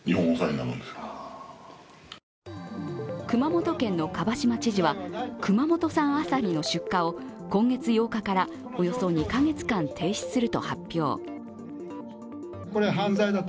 熊本県の蒲島知事は熊本産アサリの出荷を今月８日からおよそ２カ月間停止すると発表。